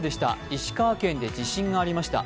石川県で地震がありました。